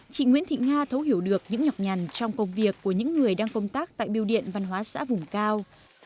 chị nguyễn thị nga thấu hiểu được những nhọc nhằn trong công việc của những người đang công tác tại biêu điện văn hóa xã vùng cao